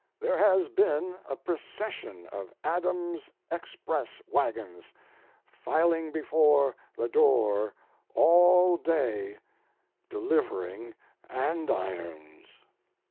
There has been a procession of Adams Express wagons filing before the door all day delivering andirons.